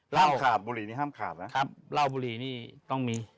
เล่าครับเล่าบุรีนี่ต้องมีเล่าบุรีนี่ห้ามขาบ